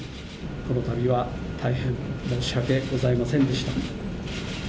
このたびは大変申し訳ございませんでした。